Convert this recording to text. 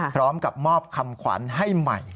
พร้อมกับมอบคำขวัญให้ใหม่